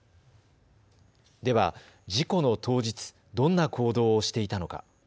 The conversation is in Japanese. では事故の当日、どんな行動をしていたのか。